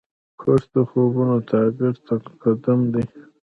کورس د خوبونو تعبیر ته قدم دی.